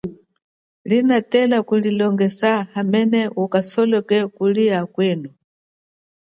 Inatela kulilongeja mumu hamene ukasoloke mutu muli akwenu.